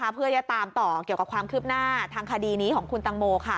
เพื่อจะตามต่อเกี่ยวกับความคืบหน้าทางคดีนี้ของคุณตังโม